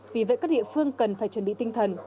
vì vậy các địa phương cần phải chuẩn bị tinh thần